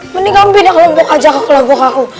mending kamu pindah kelompok aja ke kelompok aku